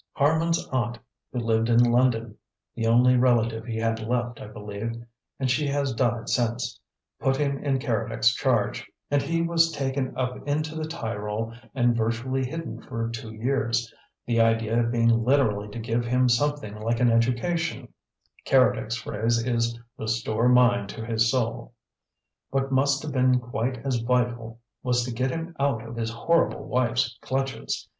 Harman's aunt, who lived in London, the only relative he had left, I believe and she has died since put him in Keredec's charge, and he was taken up into the Tyrol and virtually hidden for two years, the idea being literally to give him something like an education Keredec's phrase is 'restore mind to his soul'! What must have been quite as vital was to get him out of his horrible wife's clutches.